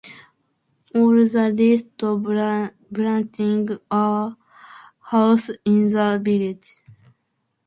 All the listed buildings are houses in the village.